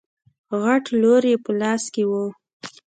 غټ لور يې په لاس کې و.